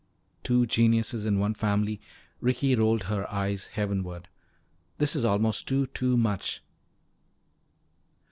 "Two geniuses in one family." Ricky rolled her eyes heavenward. "This is almost too, too much!"